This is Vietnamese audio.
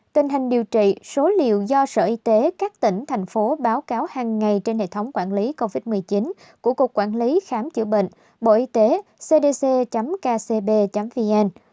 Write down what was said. tình hình điều trị số liệu do sở y tế các tỉnh thành phố báo cáo hàng ngày trên hệ thống quản lý covid một mươi chín của cục quản lý khám chữa bệnh bộ y tế cdc kcb vn